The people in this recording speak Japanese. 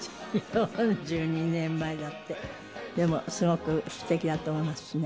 ４２年前だって、でもすごくすてきだと思いますね。